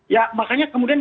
ya makanya kemudian